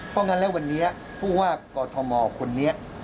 เพราะงั้นแล้ววันนี้ผู้ว่ากอทมคนนี้